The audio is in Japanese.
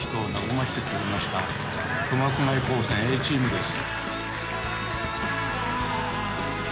苫小牧高専Ａチームです」。